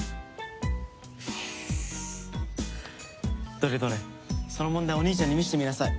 どれどれその問題お兄ちゃんに見せてみなさい。